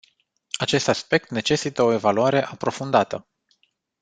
Acest aspect necesită o evaluare aprofundată.